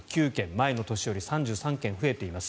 前の年より３３件増えています。